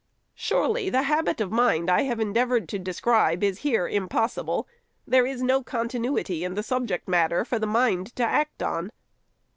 Surely, the habit of mind I have endeavored to describe is here impossible. There is no continuity in the subject matter for the mind to act on.